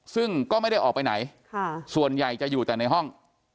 ซึ่งก็ไม่ได้ออกไปไหนส่วนใหญ่จะอยู่แต่ในห้อง